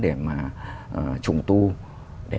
để mà đưa ra những cái phương án để mà